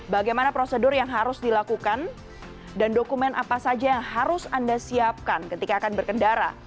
bagaimana prosedur yang harus dilakukan dan dokumen apa saja yang harus anda siapkan ketika akan berkendara